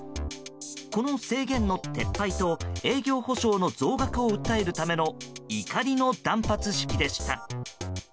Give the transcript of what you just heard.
この制限の撤廃と営業補償の増額を訴えるための怒りの断髪式でした。